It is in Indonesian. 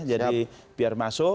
jadi biar masuk